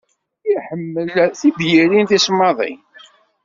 Iḥemmel tibyirin tisemmaḍin.